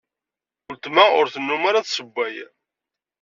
Weltma ur tennum ara tessewway.